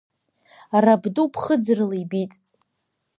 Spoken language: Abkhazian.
Рабду ԥхыӡырла ибит…